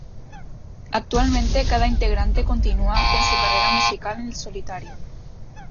Actualmente cada integrante continúa con su carrera musical en solitario.